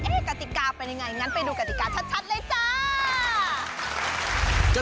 กติกาเป็นยังไงงั้นไปดูกติกาชัดเลยจ้า